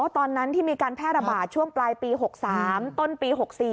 ตอนนั้นที่มีการแพร่ระบาดช่วงปลายปี๖๓ต้นปี๖๔